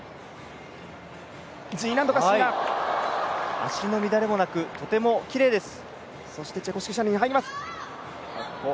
脚の乱れもなくとてもきれいです。